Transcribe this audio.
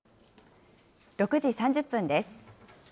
６時３０分です。